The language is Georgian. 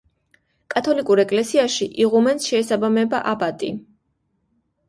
კათოლიკურ ეკლესიაში იღუმენს შეესაბამება აბატი.